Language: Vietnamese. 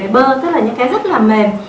bơ tức là những cái rất là mềm